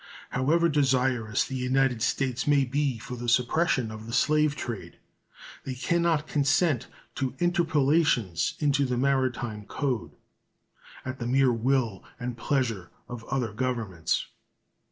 However desirous the United States may be for the suppression of the slave trade, they can not consent to interpolations into the maritime code at the mere will and pleasure of other governments.